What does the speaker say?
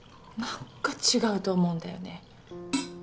何か違うと思うんだよね